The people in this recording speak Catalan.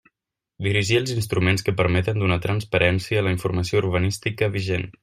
Dirigir els instruments que permeten donar transparència a la informació urbanística vigent.